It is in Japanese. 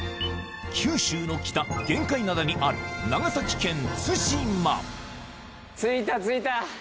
九州の北玄界灘にある着いた着いた！